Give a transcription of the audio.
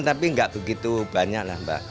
tapi tidak begitu banyak